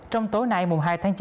trong tối nay mùa hai tháng chín